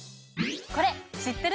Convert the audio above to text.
これ知ってる？